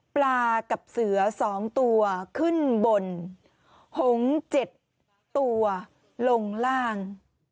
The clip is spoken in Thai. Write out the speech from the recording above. ปลากับเสือ๒ตัวขึ้นบนหง๗ตัวลงล่าง